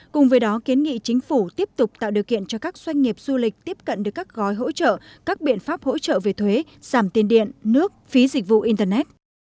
cùng với đó kiến nghị chính phủ tiếp tục tạo điều kiện cho các doanh nghiệp du lịch tiếp cận được các gói hỗ trợ các biện pháp hỗ trợ về thuế giảm tiền điện nước phí dịch vụ internet